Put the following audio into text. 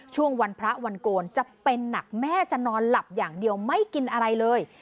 ช่วงวันพระวันโกนจะเป็นหนักแม่จะนอนหลับอย่างเดียวไม่กินอะไรเลย